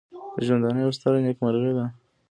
د ژوندانه یوه ستره نېکمرغي ده.